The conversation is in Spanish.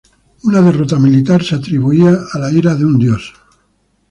Una derrota militar se atribuía a la ira de un dios.